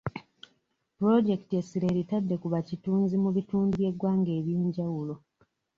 Pulojekiti essira eritadde ku bakitunzi mu bitundu by'eggwanga eby'enjawulo.